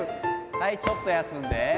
はい、ちょっと休んで。